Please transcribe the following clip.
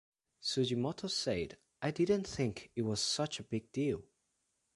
Sugimoto said, I didn't think it was such a big deal.